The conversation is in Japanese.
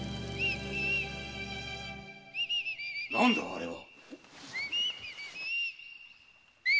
・何だあれは？